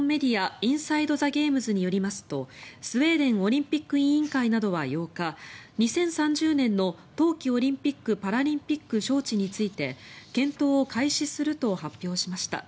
インサイド・ザ・ゲームズによりますとスウェーデンオリンピック委員会などは８日２０３０年の冬季オリンピック・パラリンピック招致について検討を開始すると発表しました。